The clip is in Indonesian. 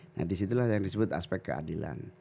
nah disitulah yang disebut aspek keadilan